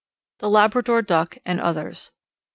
_The Labrador Duck and Others.